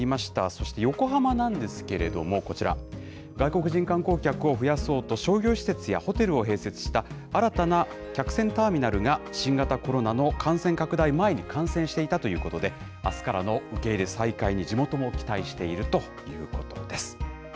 そして横浜なんですけれども、こちら、外国人観光客を増やそうと、商業施設やホテルを併設した新たな客船ターミナルが、新型コロナの感染拡大前に完成していたということで、あすからの受け入れ再開に地元も期待しているということです。